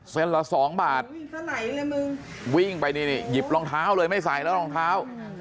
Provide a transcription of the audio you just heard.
เส้นละ๒บาทวิ่งไปนี่หยิบรองเท้าเลยไม่ใส่รองเท้า